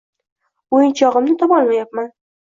O`yinchog`imni topolmayapman